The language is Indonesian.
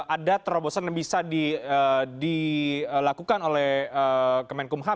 ada terobosan yang bisa dilakukan oleh kemenkum ham